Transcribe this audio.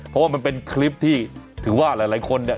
เพราะว่ามันเป็นคลิปที่ถือว่าหลายคนเนี่ย